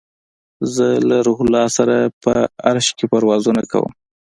زه له روح الله سره په عرش کې پروازونه کوم